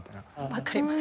わかります。